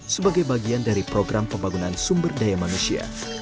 sebagai bagian dari program pembangunan sumber daya manusia